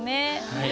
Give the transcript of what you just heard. はい。